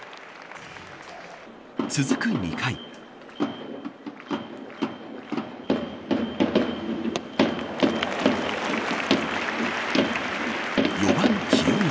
続く２回４番、清宮。